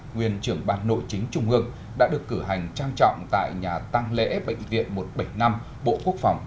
nguyên trưởng ban nội chính trung ương đã được cử hành trang trọng tại nhà tăng lễ bệnh viện một trăm bảy mươi năm bộ quốc phòng